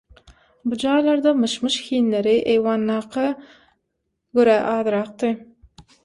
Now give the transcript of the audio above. Bu jaýlarda "myş-myş" hinleri eýwandaka görä azyrakdy.